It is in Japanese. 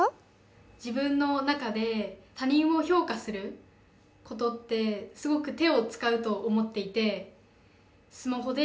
自分の中で他人を評価することってすごく手を使うと思っていてスマホでコメントを打ったりする時も